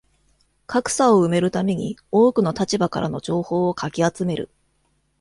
格差を埋めるために多くの立場からの情報をかき集める